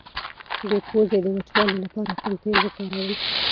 د پوزې د وچوالي لپاره کوم تېل وکاروم؟